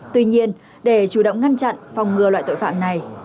tuy nhiên để chủ động ngăn chặn phòng ngừa loại tội phạm này